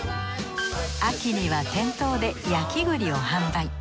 秋には店頭で焼き栗を販売。